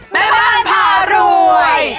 แม่บอร์ดพารวย